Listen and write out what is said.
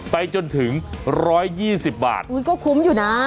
ไปจนถึง๑๒๐บาทก็คุ้มอยู่นะ